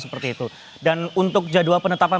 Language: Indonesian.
seperti itu dan untuk jadwal penetapan